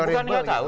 bukan tidak tahu